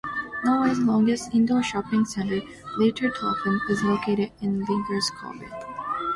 Norway's longest indoor shopping center, Liertoppen, is located in Lierskogen.